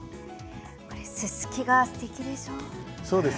ススキがすてきでしょ。